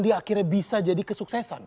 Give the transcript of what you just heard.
dia akhirnya bisa jadi kesuksesan